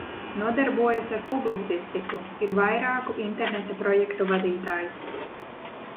Nodarbojas ar publicistiku, ir vairāku Interneta projektu veidotājs.